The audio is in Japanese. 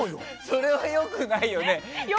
それは良くないよね。